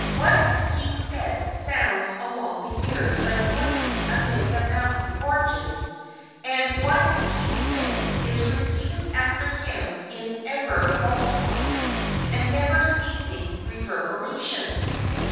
What he said sounds along the years like voices amid the mountain gorges, and what he did is repeated after him in ever multiplying and never ceasing reverberations.